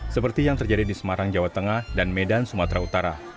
seperti yang terjadi di semarang jawa tengah dan medan sumatera utara